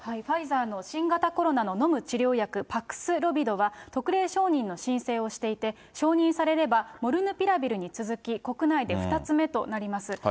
ファイザーの新型コロナの飲む治療薬、パクスロビドは、特例承認の申請をしていて、承認されれば、モルヌピラビルに続き、国内で２つ目となります。